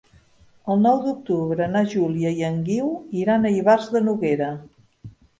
El nou d'octubre na Júlia i en Guiu iran a Ivars de Noguera.